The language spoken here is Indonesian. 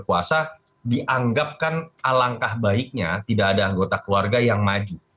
kekuasaan dianggapkan alangkah baiknya tidak ada anggota keluarga yang maju